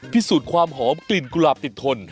พิสูจน์ความหอมกลิ่นกุหลาบติดทน